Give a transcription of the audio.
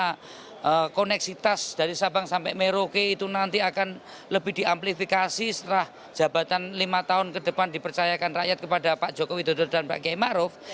karena koneksitas dari sabang sampai merauke itu nanti akan lebih di amplifikasi setelah jabatan lima tahun ke depan dipercayakan rakyat kepada pak jokowi dodo dan pak km makrof